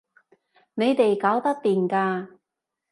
你哋搞得掂㗎